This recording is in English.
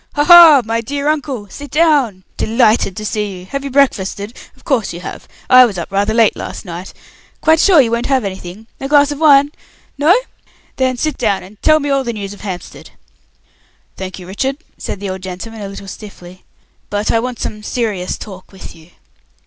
"Ha, ha! My dear uncle, sit down. Delighted to see you. Have you breakfasted? of course you have. I was up rather late last night. Quite sure you won't have anything. A glass of wine? No then sit down and tell me all the news of Hampstead." "Thank you, Richard," said the old gentleman, a little stiffly, "but I want some serious talk with you.